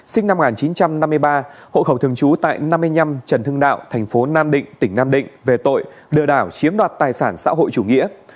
sinh năm một nghìn chín trăm năm mươi ba hộ khẩu thường trú tại năm mươi năm trần hưng đạo thành phố nam định tỉnh nam định về tội lừa đảo chiếm đoạt tài sản xã hội chủ nghĩa